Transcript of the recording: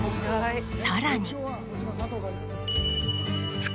さらに。